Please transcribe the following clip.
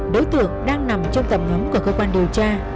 đối tượng đang nằm trong tầm ngắm của cơ quan điều tra